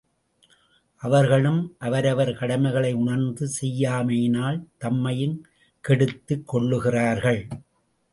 அவர்களும் அவரவர் கடமைகளை உணர்ந்து செய்யாமையினால் தம்மையும் கெடுத்துக் கொள்ளுகிறார்கள்.